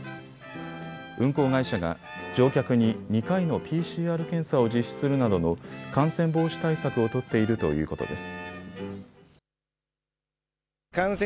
運航会社が乗客に２回のＰＣＲ検査を実施するなどの感染防止対策を取っているということです。